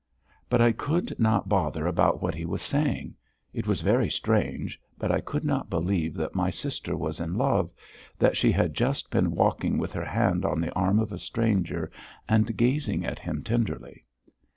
But I could not bother about what he was saying. It was very strange, but I could not believe that my sister was in love, that she had just been walking with her hand on the arm of a stranger and gazing at him tenderly.